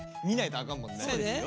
見ないとあかんもんね。